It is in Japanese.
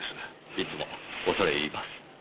いつも恐れ入ります。